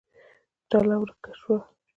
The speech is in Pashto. ډله ورکه شوه.